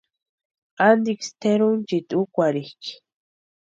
¿Antisï tʼerunchiti úkwarhikʼi?